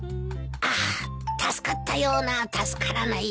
あ助かったような助からないような。